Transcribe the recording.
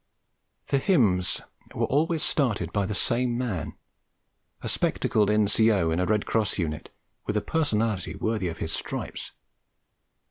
The hymns were always started by the same man, a spectacled N.C.O. in a Red Cross unit, with a personality worthy of his stripes.